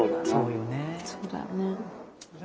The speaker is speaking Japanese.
そうだよな。